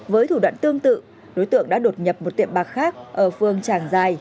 với thủ đoạn tương tự đối tượng đã đột nhập một tiệm bạc khác ở phương tràng giài